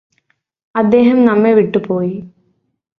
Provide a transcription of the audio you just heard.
അദ്ദേഹം നമ്മെ വിട്ടു പോയി